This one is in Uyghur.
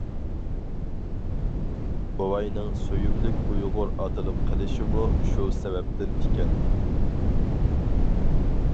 بوۋاينىڭ سۆيۈملۈك ئۇيغۇر ئاتىلىپ قېلىشىمۇ شۇ سەۋەبتىن ئىكەن.